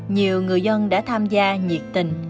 nhiều người dân đã tham gia nhiệt tình